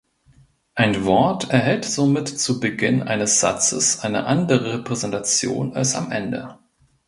Ein Wort erhält somit zu Beginn eines Satzes eine andere Repräsentation als am Ende.